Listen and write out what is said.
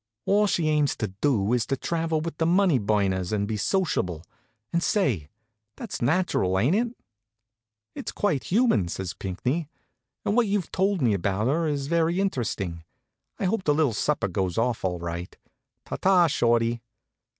All she aims to do is to travel with the money burners and be sociable. And say, that's natural, ain't it?" "It's quite human," says Pinckney, "and what you've told me about her is very interesting. I hope the little supper goes off all right. Ta ta, Shorty."